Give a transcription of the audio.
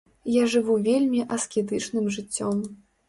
Я жыву вельмі аскетычным жыццём.